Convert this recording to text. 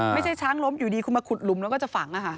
ไม่ใช่ช้างล้มอยู่ดีคุณมาขุดหลุมแล้วก็จะฝัง